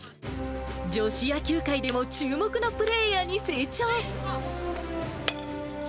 女子野球界でも注目のプレーヤーに成長。